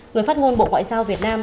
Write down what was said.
người phát ngôn bộ ngoại giao việt nam